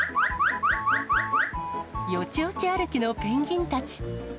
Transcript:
よちよち歩きのペンギンたち。